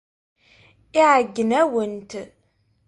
Iɛeyyen-awent.